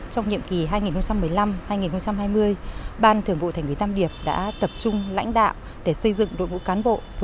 trong nhiệm kỳ hai nghìn một mươi năm hai nghìn hai mươi ban thưởng vụ thành ủy tam điệp đã tập trung lãnh đạo để xây dựng đội ngũ cán bộ